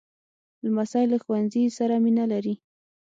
لمسی له ښوونځي سره مینه لري.